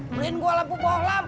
merin gua lampu pohlam